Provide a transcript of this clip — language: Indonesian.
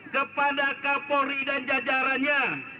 kepada kapolri dan jajarannya